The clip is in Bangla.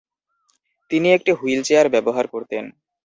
তিনি একটি হুইল চেয়ার ব্যবহার করতেন।